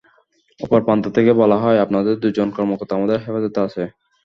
অপর প্রান্ত থেকে বলা হয়, আপনাদের দুজন কর্মকর্তা আমাদের হেফাজতে আছে।